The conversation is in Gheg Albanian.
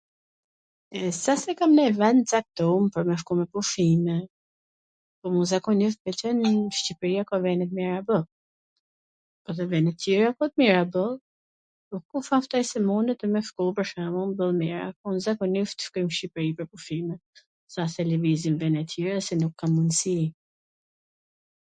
s asht se kam nonj ven t caktum pwr me shku me pushime, po un zakonisht me qen qw Shqipria ka vene t mira boll, edhe vene tjera po t mira boll, mun tham kte se munet me shku pwr shwmull n vene t mira po zakonisht shkoj nw Shqipri pwr pushimet, s a se lwvizi n vene tjera se nuk kam munsi